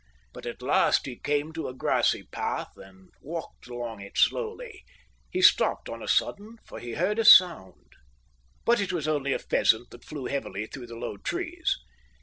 But at last he came to a grassy path and walked along it slowly. He stopped on a sudden, for he heard a sound. But it was only a pheasant that flew heavily through the low trees.